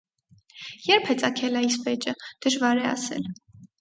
Ե՞րբ է ծագել այս վեճը՝ դժվար է ասել։